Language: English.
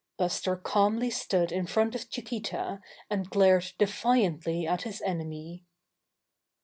Buster calmly stood in front of Chiquita and glared defiantly at his enemy.